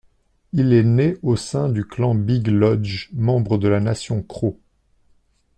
Il est né au sein du clan Big Lodge, membre de la Nation crow.